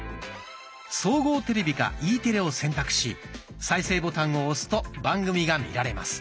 総合テレビかＥテレを選択し再生ボタンを押すと番組が見られます。